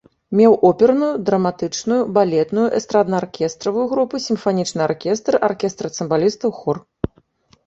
Меў оперную, драматычную, балетную, эстрадна-аркестравую групы, сімфанічны аркестр, аркестр цымбалістаў, хор.